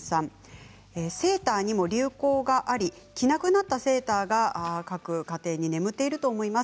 セーターにも流行があり着なくなったセーターが各家庭に眠っていると思います。